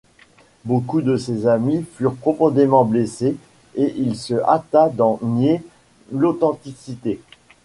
Beaucoup de ses amis furent profondément blessés et il se hâta d’en nier l’authenticité.